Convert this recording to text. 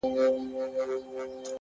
هوښیار فکر راتلونکی له نن سره تړي،